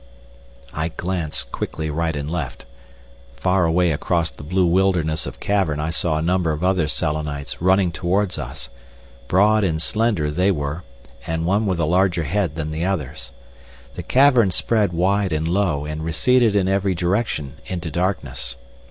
I glanced quickly right and left. Far away across the blue wilderness of cavern I saw a number of other Selenites running towards us; broad and slender they were, and one with a larger head than the others. The cavern spread wide and low, and receded in every direction into darkness.